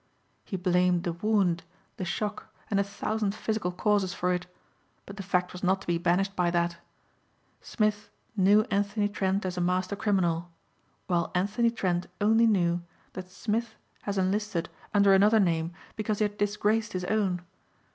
He blamed the wound, the shock and a thousand physical causes for it but the fact was not to be banished by that. Smith knew Anthony Trent as a master criminal while Anthony Trent only knew that Smith has enlisted under another name because he had disgraced his own.